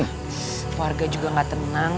ya keluarga juga gak tenang